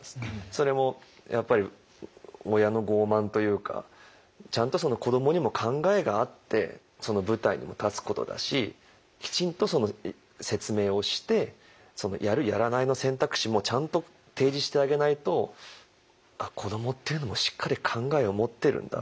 それもやっぱり親の傲慢というかちゃんと子どもにも考えがあって舞台にも立つことだしきちんとその説明をしてやるやらないの選択肢もちゃんと提示してあげないと子どもっていうのもしっかり考えを持ってるんだ